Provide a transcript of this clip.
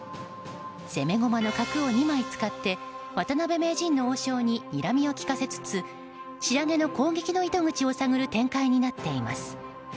攻め駒の角を２枚使って渡辺名人の王将ににらみを利かせつつ仕上げの攻撃の糸口を探る展開になっています。